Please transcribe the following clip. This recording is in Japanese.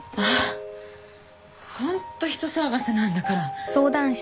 ホンット人騒がせなんだから